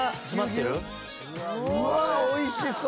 うわおいしそう！